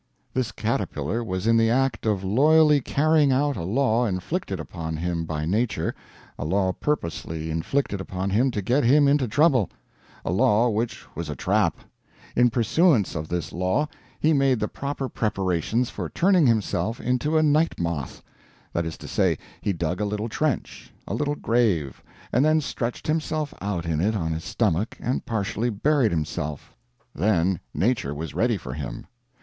This caterpillar was in the act of loyally carrying out a law inflicted upon him by Nature a law purposely inflicted upon him to get him into trouble a law which was a trap; in pursuance of this law he made the proper preparations for turning himself into a night moth; that is to say, he dug a little trench, a little grave, and then stretched himself out in it on his stomach and partially buried himself then Nature was ready for him.